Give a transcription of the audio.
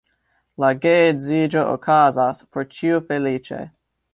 La geedziĝo okazas, por ĉiu feliĉe.